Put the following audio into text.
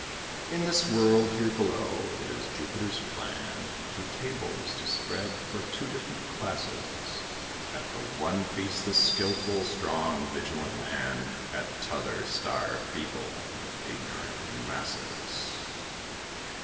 In this world here below, it is Jupiter's plan Two tables to spread for two different classes; At the one feasts the skilful, strong, vigilant man, At t'other starve feeble and ignorant masses.